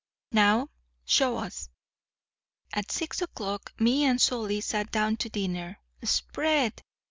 Now, show us.' "At six o'clock me and Solly sat down to dinner. Spread!